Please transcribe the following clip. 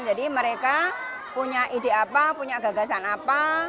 jadi mereka punya ide apa punya gagasan apa